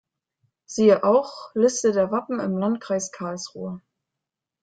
Siehe auch: Liste der Wappen im Landkreis Karlsruhe